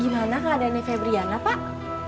gimana keadaannya febriana pak